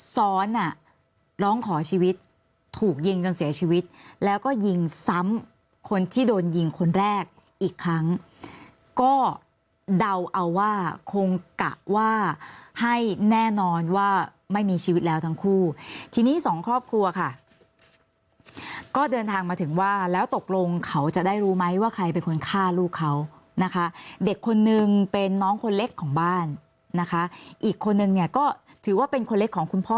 ซ้อนอ่ะร้องขอชีวิตถูกยิงจนเสียชีวิตแล้วก็ยิงซ้ำคนที่โดนยิงคนแรกอีกครั้งก็เดาเอาว่าคงกะว่าให้แน่นอนว่าไม่มีชีวิตแล้วทั้งคู่ทีนี้สองครอบครัวค่ะก็เดินทางมาถึงว่าแล้วตกลงเขาจะได้รู้ไหมว่าใครเป็นคนฆ่าลูกเขานะคะเด็กคนนึงเป็นน้องคนเล็กของบ้านนะคะอีกคนนึงเนี่ยก็ถือว่าเป็นคนเล็กของคุณพ่อ